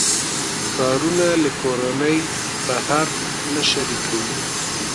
کارونه له کورنۍ بهر نه شریکوي.